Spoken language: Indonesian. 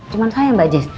cuman saya mbak jess